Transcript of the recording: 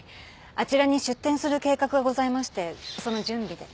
あちらに出店する計画がございましてその準備で。